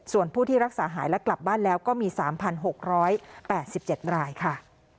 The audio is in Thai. ส่วนผู้ที่รักษาหายและกลับบ้านแล้วก็มี๓๖๘๗รายค่ะ